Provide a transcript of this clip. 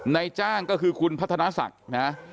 ในจ้างก็คือคุณพัฒนาศักดิ์นะ